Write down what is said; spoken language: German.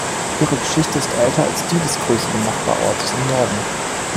Ihre Geschichte ist älter als die des größeren Nachbarortes im Norden.